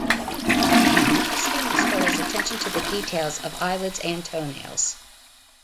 He was famous for his attention to the details of eyelids and toenails.